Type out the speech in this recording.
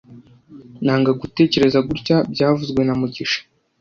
Nanga gutegereza gutya byavuzwe na mugisha